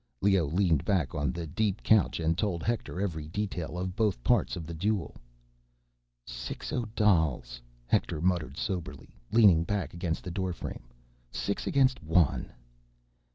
Leoh leaned back on the deep couch and told Hector every detail of both parts of the duel. "Six Odals," Hector muttered soberly, leaning back against the doorframe. "Six against one."